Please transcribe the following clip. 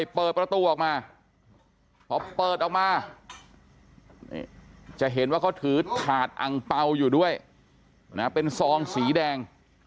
เพราะเปิดออกมาจะเห็นว่าเขาถือถาดอังเปร่าอยู่ด้วยนะเป็นซองสีแดง